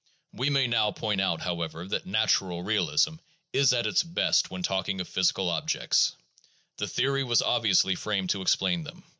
We may now point out, however, that "natural" realism is at its best when talking of physical objects; the theory was obviously framed to explain them.